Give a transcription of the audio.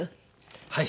はい。